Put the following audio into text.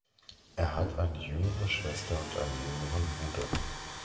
Er hat eine jüngere Schwester und einen jüngeren Bruder.